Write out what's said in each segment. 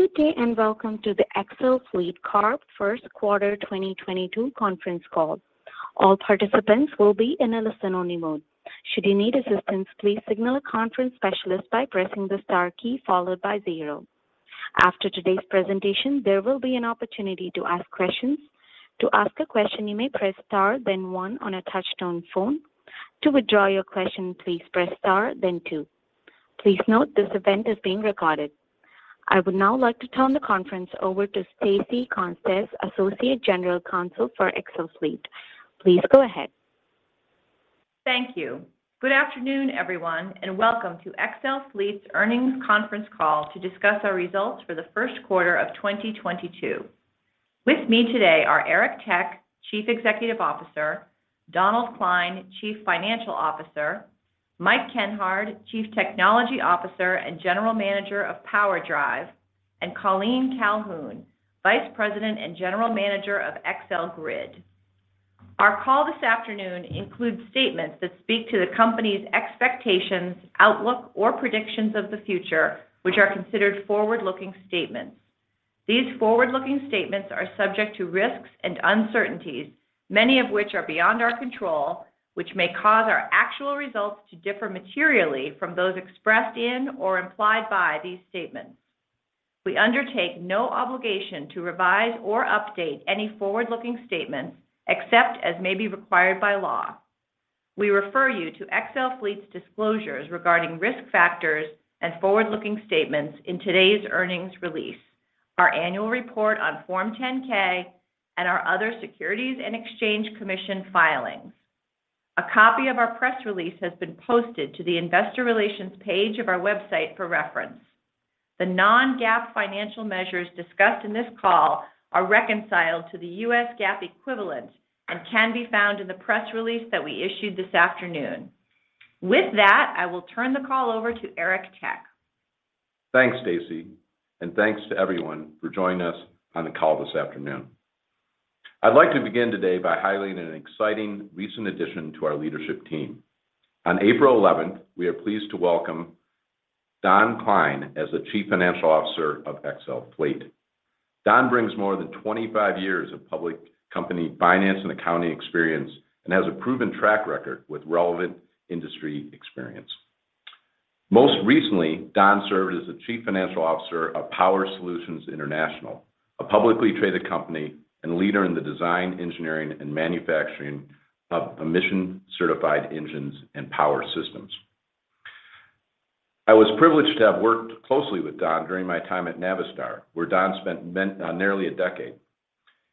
Good day, and welcome to the XL Fleet Corp. First Quarter 2022 Conference Call. All participants will be in a listen-only mode. Should you need assistance, please signal a conference specialist by pressing the star key followed by zero. After today's presentation, there will be an opportunity to ask questions. To ask a question, you may press star then one on a touch-tone phone. To withdraw your question, please press star then two. Please note this event is being recorded. I would now like to turn the conference over to Stacey Constas, Associate General Counsel for XL Fleet Corp. Please go ahead. Thank you. Good afternoon, everyone, and welcome to XL's Earnings Conference Call to discuss our results for the first quarter of 2022. With me today are Eric Tech, Chief Executive Officer, Donald Klein, Chief Financial Officer, Mike Kenhard, Chief Technology Officer and General Manager of Power Drive, and Colleen Calhoun, Vice President and General Manager of XL Grid. Our call this afternoon includes statements that speak to the company's expectations, outlook, or predictions of the future, which are considered forward-looking statements. These forward-looking statements are subject to risks and uncertainties, many of which are beyond our control, which may cause our actual results to differ materially from those expressed in or implied by these statements. We undertake no obligation to revise or update any forward-looking statements except as may be required by law. We refer you to XL's disclosures regarding risk factors and forward-looking statements in today's earnings release, our annual report on Form 10-K and our other Securities and Exchange Commission filings. A copy of our press release has been posted to the investor relations page of our website for reference. The non-GAAP financial measures discussed in this call are reconciled to the US GAAP equivalent and can be found in the press release that we issued this afternoon. With that, I will turn the call over to Eric Tech. Thanks, Stacey, and thanks to everyone for joining us on the call this afternoon. I'd like to begin today by highlighting an exciting recent addition to our leadership team. On April eleventh, we are pleased to welcome Don Klein as the Chief Financial Officer of XL Fleet. Don brings more than 25 years of public company finance and accounting experience and has a proven track record with relevant industry experience. Most recently, Don served as the Chief Financial Officer of Power Solutions International, a publicly traded company and leader in the design, engineering, and manufacturing of emission-certified engines and power systems. I was privileged to have worked closely with Don during my time at Navistar, where Don spent nearly a decade,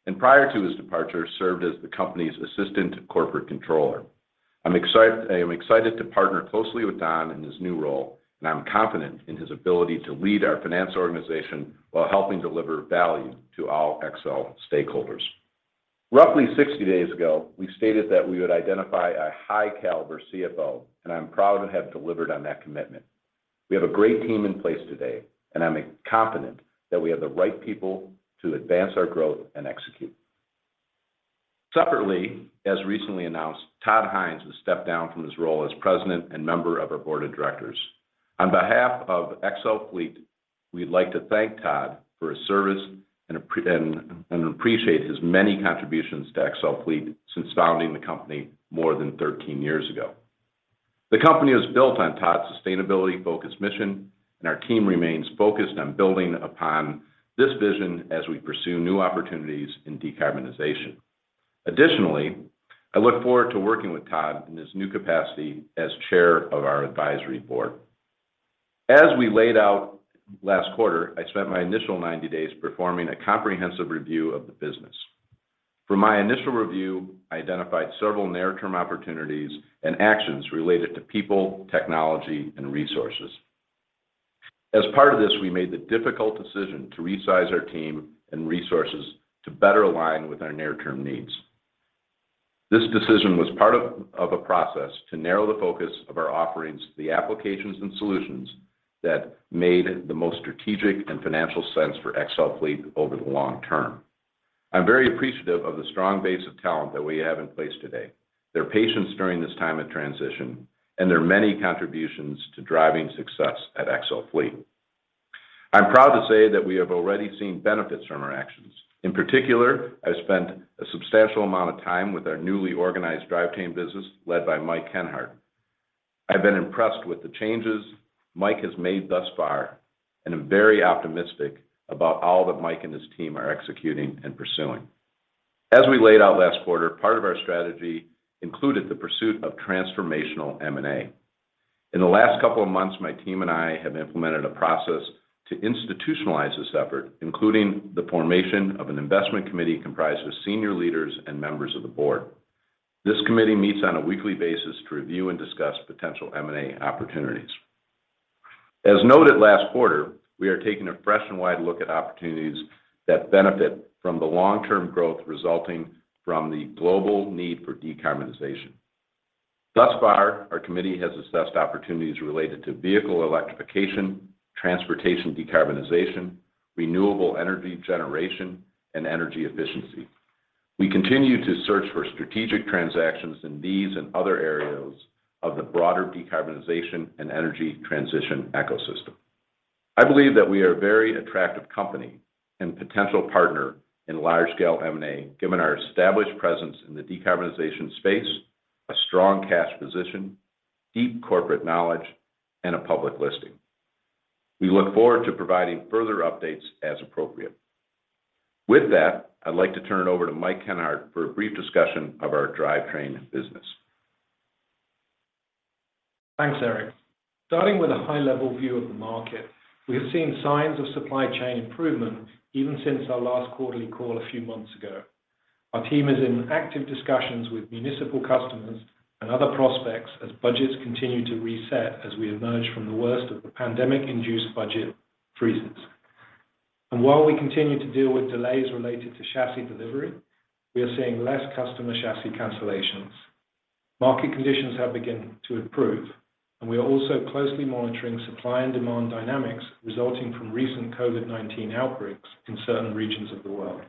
and prior to his departure, served as the company's Assistant Corporate Controller. I am excited to partner closely with Don in his new role, and I'm confident in his ability to lead our finance organization while helping deliver value to all XL stakeholders. Roughly 60 days ago, we stated that we would identify a high-caliber CFO, and I'm proud to have delivered on that commitment. We have a great team in place today, and I'm confident that we have the right people to advance our growth and execute. Separately, as recently announced, Tod Hynes has stepped down from his role as President and member of our Board of Directors. On behalf of XL's, we'd like to thank Tod for his service and appreciate his many contributions to XL's since founding the company more than 13 years ago. The company was built on Tod's sustainability-focused mission, and our team remains focused on building upon this vision as we pursue new opportunities in decarbonization. Additionally, I look forward to working with Tod in his new capacity as Chair of our Board of Advisors. As we laid out last quarter, I spent my initial 90 days performing a comprehensive review of the business. From my initial review, I identified several near-term opportunities and actions related to people, technology, and resources. As part of this, we made the difficult decision to resize our team and resources to better align with our near-term needs. This decision was part of a process to narrow the focus of our offerings to the applications and solutions that made the most strategic and financial sense for XL's over the long term. I'm very appreciative of the strong base of talent that we have in place today, their patience during this time of transition, and their many contributions to driving success at XL Fleet. I'm proud to say that we have already seen benefits from our actions. In particular, I've spent a substantial amount of time with our newly organized Drivetrain business led by Mike Kenhard. I've been impressed with the changes Mike has made thus far, and I'm very optimistic about all that Mike and his team are executing and pursuing. As we laid out last quarter, part of our strategy included the pursuit of transformational M&A. In the last couple of months, my team and I have implemented a process to institutionalize this effort, including the formation of an investment committee comprised of senior leaders and members of the board. This committee meets on a weekly basis to review and discuss potential M&A opportunities. As noted last quarter, we are taking a fresh and wide look at opportunities that benefit from the long-term growth resulting from the global need for decarbonization. Thus far, our committee has assessed opportunities related to vehicle electrification, transportation decarbonization, renewable energy generation, and energy efficiency. We continue to search for strategic transactions in these and other areas of the broader decarbonization and energy transition ecosystem. I believe that we are a very attractive company and potential partner in large scale M&A, given our established presence in the decarbonization space, a strong cash position, deep corporate knowledge, and a public listing. We look forward to providing further updates as appropriate. With that, I'd like to turn it over to Mike Kenhard for a brief discussion of our Drivetrain business. Thanks, Eric. Starting with a high-level view of the market, we have seen signs of supply chain improvement even since our last quarterly call a few months ago. Our team is in active discussions with municipal customers and other prospects as budgets continue to reset as we emerge from the worst of the pandemic-induced budget freezes. While we continue to deal with delays related to chassis delivery, we are seeing less customer chassis cancellations. Market conditions have begun to improve, and we are also closely monitoring supply and demand dynamics resulting from recent COVID-19 outbreaks in certain regions of the world.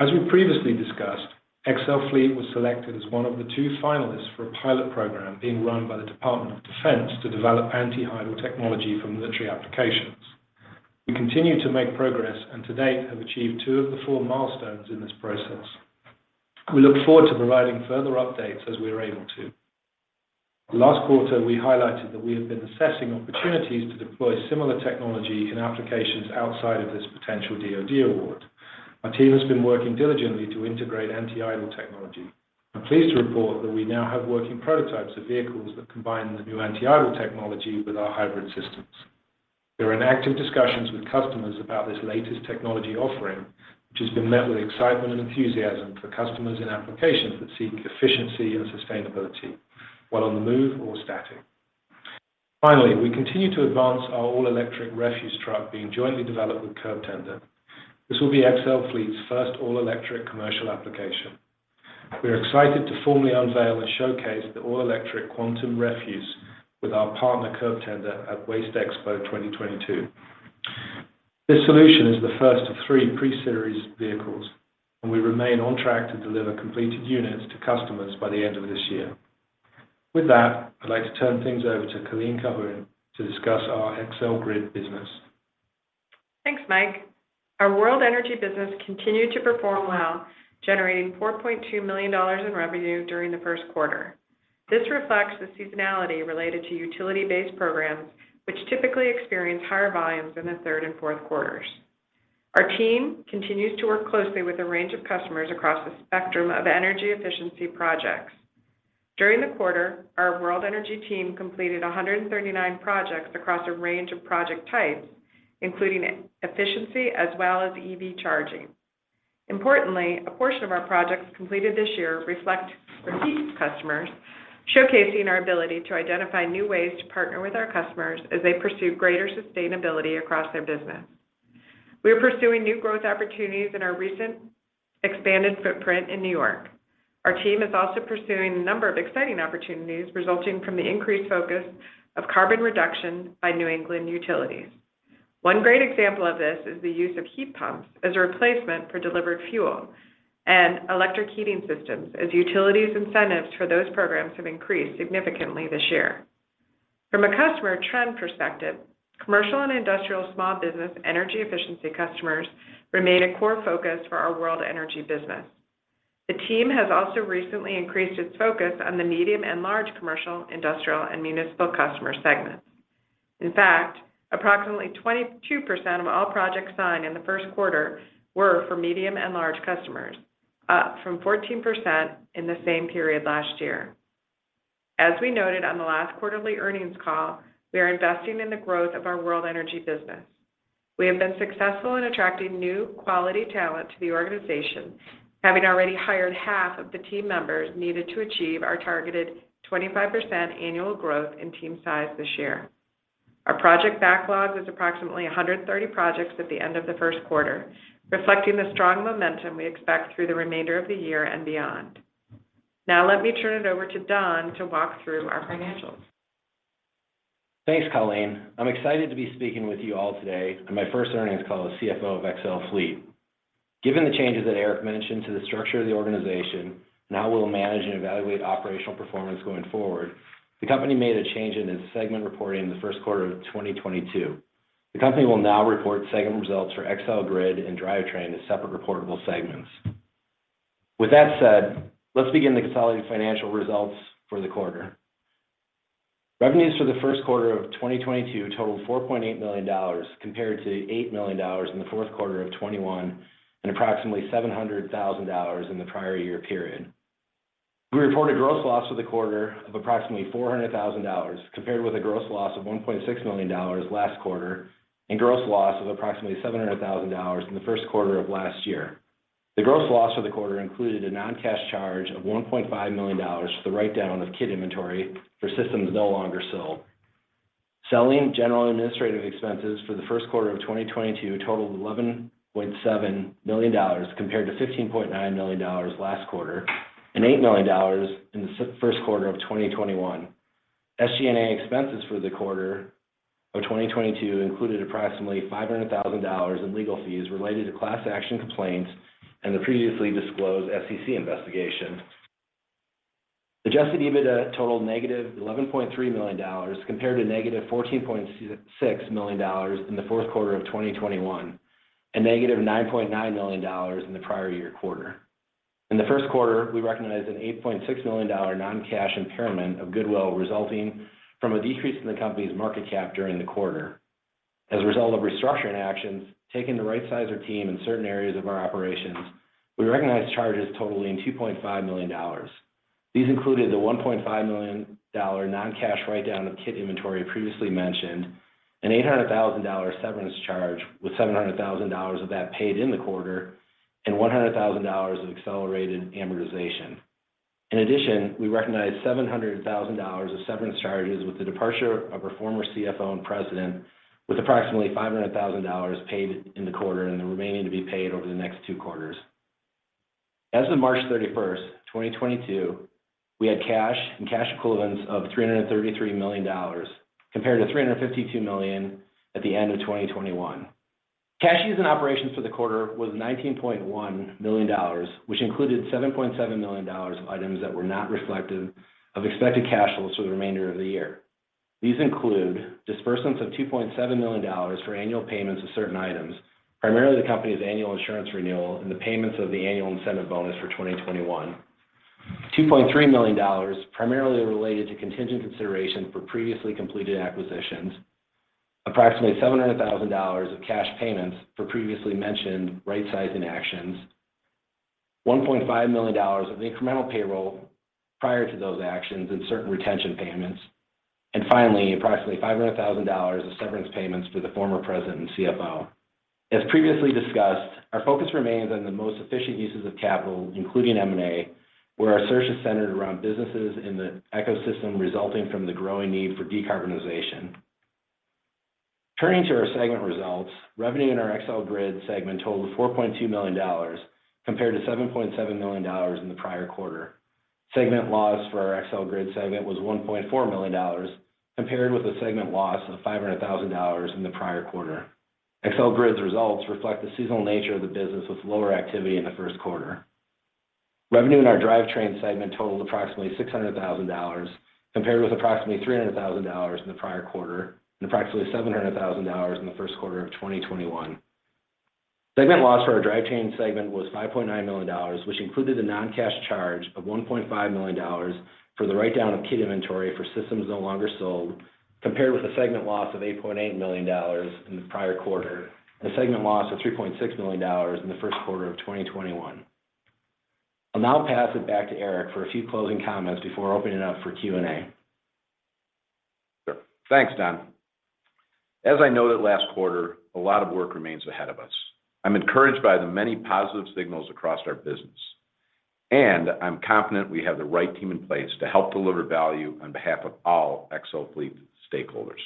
As we previously discussed, XL Fleet was selected as one of the two finalists for a pilot program being run by the Department of Defense to develop anti-idle technology for military applications. We continue to make progress and to date have achieved two of the four milestones in this process. We look forward to providing further updates as we are able to. Last quarter, we highlighted that we have been assessing opportunities to deploy similar technology in applications outside of this potential DoD award. Our team has been working diligently to integrate anti-idle technology. I'm pleased to report that we now have working prototypes of vehicles that combine the new anti-idle technology with our hybrid systems. We are in active discussions with customers about this latest technology offering, which has been met with excitement and enthusiasm for customers in applications that seek efficiency and sustainability while on the move or static. Finally, we continue to advance our all-electric refuse truck being jointly developed with Curbtender. This will be XL Fleet's first all-electric commercial application. We are excited to formally unveil and showcase the all-electric Curbtender Quantum with our partner, Curbtender, at WasteExpo 2022. This solution is the first of three pre-series vehicles, and we remain on track to deliver completed units to customers by the end of this year. With that, I'd like to turn things over to Colleen Calhoun to discuss our XL Grid business. Thanks, Mike. Our World Energy business continued to perform well, generating $4.2 million in revenue during the first quarter. This reflects the seasonality related to utility-based programs, which typically experience higher volumes in the third and fourth quarters. Our team continues to work closely with a range of customers across the spectrum of energy efficiency projects. During the quarter, our World Energy team completed 139 projects across a range of project types, including efficiency as well as EV charging. Importantly, a portion of our projects completed this year reflect repeat customers, showcasing our ability to identify new ways to partner with our customers as they pursue greater sustainability across their business. We are pursuing new growth opportunities in our recent expanded footprint in New York. Our team is also pursuing a number of exciting opportunities resulting from the increased focus of carbon reduction by New England utilities. One great example of this is the use of heat pumps as a replacement for delivered fuel and electric heating systems, as utilities' incentives for those programs have increased significantly this year. From a customer trend perspective, commercial and industrial small business energy efficiency customers remain a core focus for our World Energy business. The team has also recently increased its focus on the medium and large commercial, industrial, and municipal customer segments. In fact, approximately 22% of all projects signed in the first quarter were for medium and large customers, up from 14% in the same period last year. As we noted on the last quarterly earnings call, we are investing in the growth of our World Energy business. We have been successful in attracting new quality talent to the organization, having already hired half of the team members needed to achieve our targeted 25% annual growth in team size this year. Our project backlog was approximately 130 projects at the end of the first quarter, reflecting the strong momentum we expect through the remainder of the year and beyond. Now let me turn it over to Don to walk through our financials. Thanks, Colleen. I'm excited to be speaking with you all today on my first earnings call as CFO of XL Fleet. Given the changes that Eric mentioned to the structure of the organization and how we'll manage and evaluate operational performance going forward, the company made a change in its segment reporting in the first quarter of 2022. The company will now report segment results for XL Grid and Drivetrain as separate reportable segments. With that said, let's begin the consolidated financial results for the quarter. Revenues for the first quarter of 2022 totaled $4.8 million compared to $8 million in the fourth quarter of 2021 and approximately $700,000 in the prior year period. We reported gross loss for the quarter of approximately $400,000 compared with a gross loss of $1.6 million last quarter and gross loss of approximately $700,000 in the first quarter of last year. The gross loss for the quarter included a non-cash charge of $1.5 million for the write-down of kit inventory for systems no longer sold. Selling, general and administrative expenses for the first quarter of 2022 totaled $11.7 million compared to $15.9 million last quarter and $8 million in the first quarter of 2021. SG&A expenses for the quarter of 2022 included approximately $500,000 in legal fees related to class action complaints and the previously disclosed SEC investigation. Adjusted EBITDA totaled -$11.3 million compared to -$14.6 million in the fourth quarter of 2021, and -$9.9 million in the prior year quarter. In the first quarter, we recognized an $8.6 million non-cash impairment of goodwill resulting from a decrease in the company's market cap during the quarter. As a result of restructuring actions, right-sizing our team in certain areas of our operations, we recognized charges totaling $2.5 million. These included the $1.5 million non-cash write-down of kit inventory previously mentioned, an $800,000 severance charge, with $700,000 of that paid in the quarter, and $100,000 of accelerated amortization. In addition, we recognized $700 thousand of severance charges with the departure of our former CFO and President, with approximately $500 thousand paid in the quarter and the remaining to be paid over the next two quarters. As of March 31, 2022, we had cash and cash equivalents of $333 million compared to $352 million at the end of 2021. Cash use in operations for the quarter was $19.1 million, which included $7.7 million of items that were not reflective of expected cash flows for the remainder of the year. These include disbursements of $2.7 million for annual payments of certain items, primarily the company's annual insurance renewal and the payments of the annual incentive bonus for 2021. $2.3 million, primarily related to contingent consideration for previously completed acquisitions. Approximately $700 thousand of cash payments for previously mentioned rightsizing actions. $1.5 million of incremental payroll prior to those actions and certain retention payments. Finally, approximately $500 thousand of severance payments to the former president and CFO. As previously discussed, our focus remains on the most efficient uses of capital, including M&A, where our search is centered around businesses in the ecosystem resulting from the growing need for decarbonization. Turning to our segment results, revenue in our XL Grid segment totaled $4.2 million, compared to $7.7 million in the prior quarter. Segment loss for our XL Grid segment was $1.4 million, compared with a segment loss of $500 thousand in the prior quarter. XL Grid's results reflect the seasonal nature of the business with lower activity in the first quarter. Revenue in our Drivetrain segment totaled approximately $600 thousand, compared with approximately $300 thousand in the prior quarter and approximately $700 thousand in the first quarter of 2021. Segment loss for our Drivetrain segment was $5.9 million, which included a non-cash charge of $1.5 million for the write-down of kit inventory for systems no longer sold, compared with a segment loss of $8.8 million in the prior quarter and a segment loss of $3.6 million in the first quarter of 2021. I'll now pass it back to Eric for a few closing comments before opening it up for Q&A. Sure. Thanks, Don. As I noted last quarter, a lot of work remains ahead of us. I'm encouraged by the many positive signals across our business, and I'm confident we have the right team in place to help deliver value on behalf of all XL Fleet stakeholders.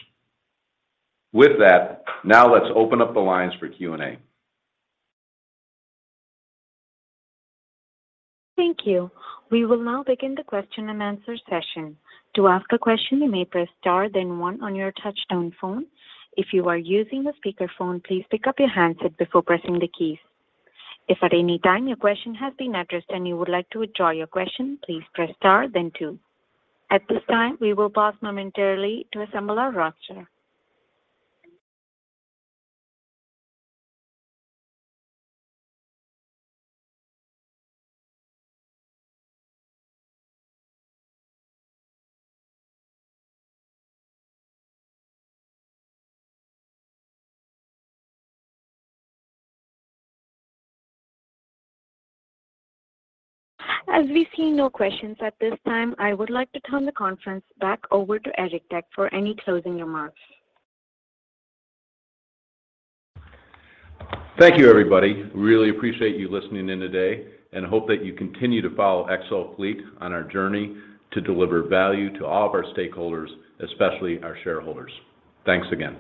With that, now let's open up the lines for Q&A. Thank you. We will now begin the question-and-answer session. To ask a question, you may press star then one on your touch-tone phone. If you are using a speakerphone, please pick up your handset before pressing the keys. If at any time your question has been addressed and you would like to withdraw your question, please press star then two. At this time, we will pause momentarily to assemble our roster. As we see no questions at this time, I would like to turn the conference back over to Eric Tech for any closing remarks. Thank you, everybody. Really appreciate you listening in today and hope that you continue to follow XL Fleet on our journey to deliver value to all of our stakeholders, especially our shareholders. Thanks again.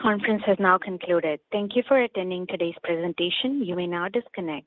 The conference has now concluded. Thank you for attending today's presentation. You may now disconnect.